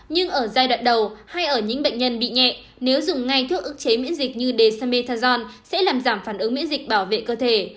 nhưng ở giai đoạn đầu hay ở những bệnh nhân bị nhẹ nếu dùng ngay thước ước chế miễn dịch như desmetajon sẽ làm giảm phản ứng miễn dịch bảo vệ cơ thể